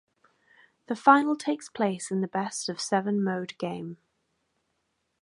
The final takes place in the best of seven mode game.